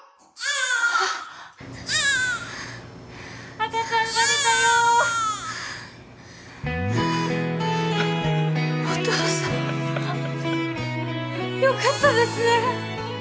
赤ちゃん生まれたよお父さんよかったですね